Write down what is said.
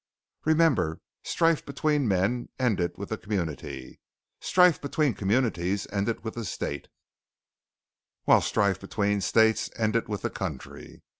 "Remember, strife between men ended with the community, strife between communities ended with the state; while strife between states ended with the country.